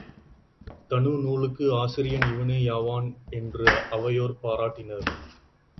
தனு நூலுக்கு ஆசிரியன் இவனே யாவான் என்று அவையோர் பாராட்டினர்.